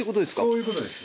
そういう事です。